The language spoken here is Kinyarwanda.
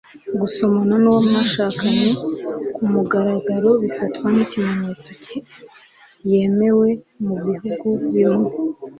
gusomana nuwo mwashakanye kumugaragaro bifatwa nkimyitwarire yemewe mubihugu bimwe